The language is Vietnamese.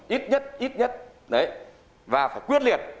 ít nhất ít nhất và phải quyết liệt